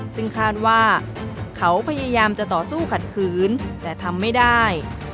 ซึ่งคาดว่าเขาพยายามจะต่อสู้ขัดขืนแต่ทำไม่ได้